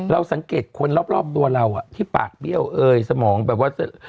เราสังเกตควรรอบรอบตัวเราอ่ะที่ปากเบี้ยเฮ้ยสมองแบบว่าจะ